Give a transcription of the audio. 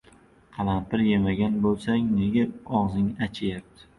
• Qalampir yemagan bo‘lsang, nega og‘zing achiyapti?